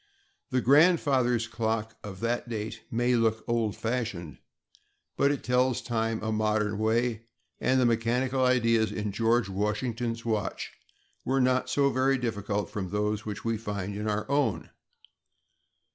The "grandfather's clock" of that date may look old fashioned, but it tells time a modern way, and the mechanical ideas in George Washington's watch were not so very different from those which we find in our own.